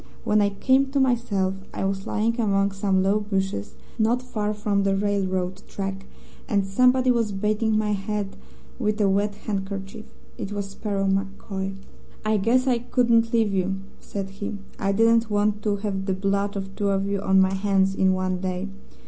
When I came to myself I was lying among some low bushes, not far from the railroad track, and somebody was bathing my head with a wet handkerchief. It was Sparrow MacCoy. "'I guess I couldn't leave you,' said he. 'I didn't want to have the blood of two of you on my hands in one day.